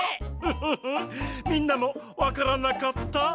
フフフみんなもわからなかった？